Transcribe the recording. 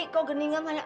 kok geningan banyak